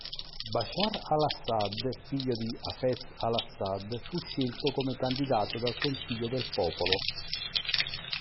Bashar al-Assad, figlio di Hafez al-Assad, fu scelto come candidato dal Consiglio del popolo.